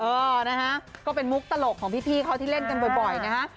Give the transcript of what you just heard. เออนะฮะก็เป็นมุกตลกของพี่เขาที่เล่นกันบ่อยนะฮะ